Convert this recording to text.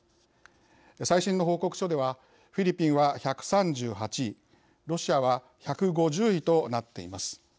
最新の報告書ではフィリピンは１３８位ロシアは１５０位となっています。